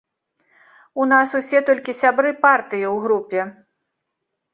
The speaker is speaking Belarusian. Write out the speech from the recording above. У нас усе толькі сябры партыі ў групе.